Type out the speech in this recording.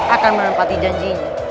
akan menempati janjinya